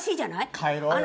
帰ろうよ。